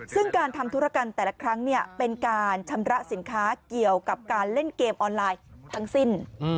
ซึ่งการทำธุรกรรมแต่ละครั้งเป็นการชำระสินค้าเกี่ยวกับการเล่นเกมออนไลน์ทั้งสิ้น